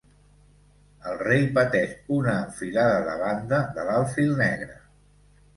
El rei pateix una enfilada de banda de l'alfil negre.